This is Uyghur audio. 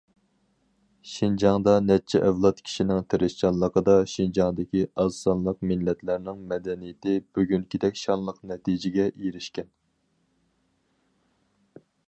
شىنجاڭدا نەچچە ئەۋلاد كىشىنىڭ تىرىشچانلىقىدا شىنجاڭدىكى ئاز سانلىق مىللەتلەرنىڭ مەدەنىيىتى بۈگۈنكىدەك شانلىق نەتىجىگە ئېرىشكەن.